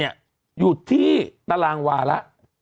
อยู่ที่ตารางวาละ๙๐๐๐๐๐